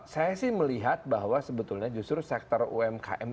saya sih melihat bahwa sebetulnya justru sektor umkm